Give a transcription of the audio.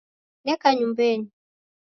Neka nyumbenyi